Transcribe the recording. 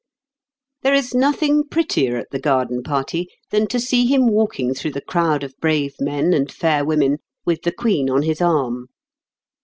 There is nothing prettier at the garden party than to see him walking through the crowd of brave men and fair women with the Queen on his arm.